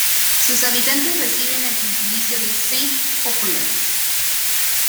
Sus habitantes reciben el gentilicio de "Saint-Papoulais".